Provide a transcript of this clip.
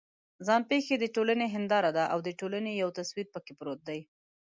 ځان پېښې د ټولنې هنداره ده او د ټولنې یو تصویر پکې پروت دی.